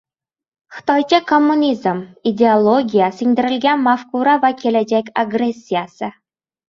Xitoycha kommunizm: ideologiya, singdirilgan mafkura va kelajak agressiyasi…